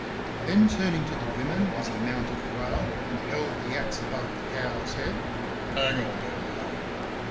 Then, turning to the women as he mounted a rail and held the axe above the cow's head: "Hang on there now!"